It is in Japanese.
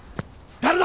誰だ！